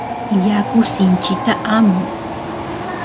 yaku sinchita amun